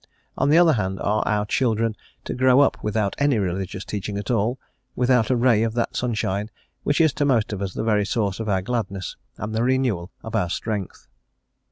On the other hand, are our children to grow up without any religious teaching at all, without a ray of that sunshine which is to most of us the very source of our gladness, and the renewal of our strength?"